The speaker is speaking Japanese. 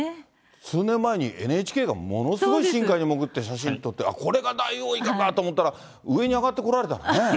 数年前にＮＨＫがものすごい深海に潜って写真撮って、これがダイオウイカだと思ったら、上に上がってこられたらね。